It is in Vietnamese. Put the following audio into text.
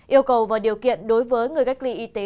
yêu cầu và điều kiện đối với người cách ly y tế